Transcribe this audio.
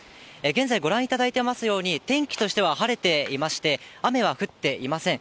現在、ご覧いただいていますように、天気としては晴れていまして、雨は降っていません。